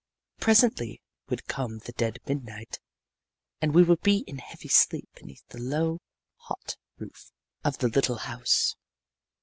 Presently would come the dead midnight, and we would be in heavy sleep beneath the low, hot roof of the little house.